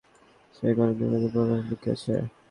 সে কোননির্মাণাধীন ভবনে লুকিয়ে আছে।